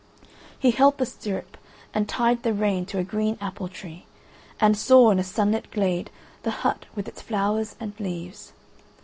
He held the stirrup, and tied the rein to a green apple tree, and saw in a sunlit glade the hut with its flowers and leaves.